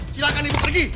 silahkan ibu pergi